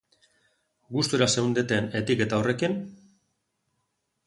Gustura zeundeten etiketa horrekin?